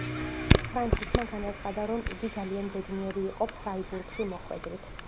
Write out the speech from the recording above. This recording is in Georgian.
ფრანსისმა განაცხადა, რომ იგი ძალიან ბედნიერი იყო „ფრაიბურგში“ მოხვედრით.